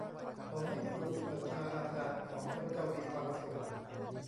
ขอให้ครูอุปัชฌาย์อาจารย์ของข้าพเจ้ามีความสุข